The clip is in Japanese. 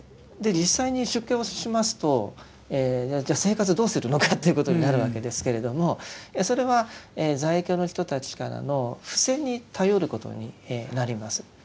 実際に出家をしますと生活どうするのかということになるわけですけれどもそれは在家の人たちからの布施に頼ることになります。